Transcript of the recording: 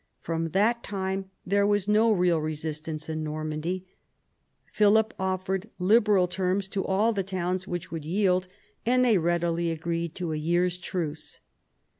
From that time there was no real resistance in Normandy. Philip offered liberal terms to all the towns which would yield, and they readily agreed to a year's truce.